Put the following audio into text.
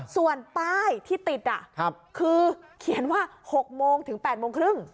ส่วนป้ายที่ติดคือเขียนว่า๖โมงถึง๘โมงครึ่ง